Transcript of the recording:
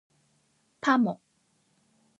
パモ